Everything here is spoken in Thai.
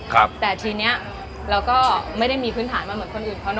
แค่ทีนี้เราก็ไม่ได้มีพื้นฐานมาตาตอยก